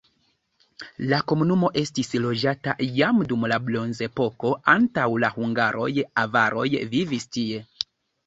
La komunumo estis loĝata jam dum la bronzepoko, antaŭ la hungaroj avaroj vivis tie.